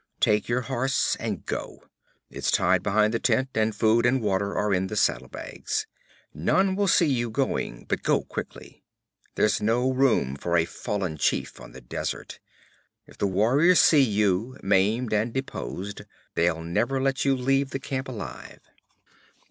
'Take your horse and go. It's tied behind the tent, and food and water are in the saddle bags. None will see your going, but go quickly. There's no room for a fallen chief on the desert. If the warriors see you, maimed and deposed, they'll never let you leave the camp alive.'